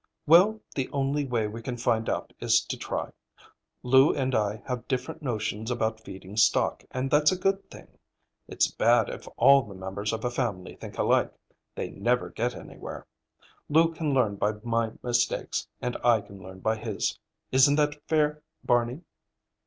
"Well, the only way we can find out is to try. Lou and I have different notions about feeding stock, and that's a good thing. It's bad if all the members of a family think alike. They never get anywhere. Lou can learn by my mistakes and I can learn by his. Isn't that fair, Barney?"